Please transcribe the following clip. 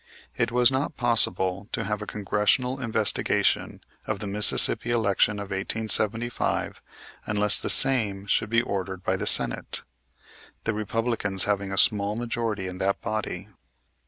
It was not possible to have a Congressional investigation of the Mississippi election of 1875 unless the same should be ordered by the Senate, the Republicans having a small majority in that body.